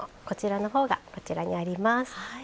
こちらの方がこちらにあります。